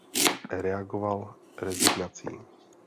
Reagoval rezignací.